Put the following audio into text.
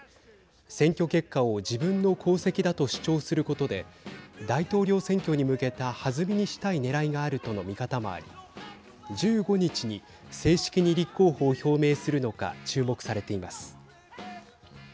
選挙結果を自分の功績だと主張することで大統領選挙に向けた弾みにしたいねらいがあるとの見方もあり１５日に正式に立候補を表明するのか注目されています。